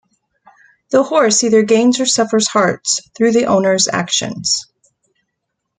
The horse either gains or suffers hearts through the owner's actions.